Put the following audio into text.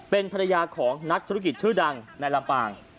เป็นภรรยาของนักธุรกิจชื่อดังในลำปาง